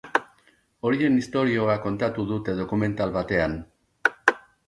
Horien istorioa kontatu dute dokumental batean.